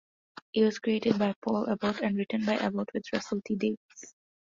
It was created by Paul Abbott, and written by Abbott with Russell T Davies.